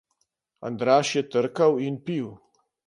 Andraž je trkal in pil.